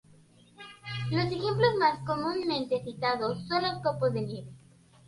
Los ejemplos más comúnmente citados son los copos de nieve.